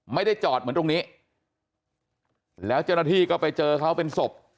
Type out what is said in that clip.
ไม่ได้จอดเหมือนตรงนี้แล้วเจ้าหน้าที่ก็ไปเจอเขาเป็นศพ